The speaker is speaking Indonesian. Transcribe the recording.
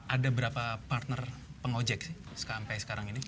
ada berapa partner pengojek sih sampai sekarang ini